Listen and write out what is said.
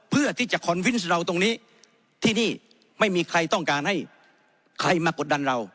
เพื่อที่จะคอนวินต์เราตรงนี้ที่นี่ไม่มีใครต้องการให้ใครมากดดันเรา